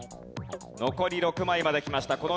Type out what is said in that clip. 残り６枚まできました。